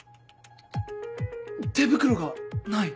手袋がない。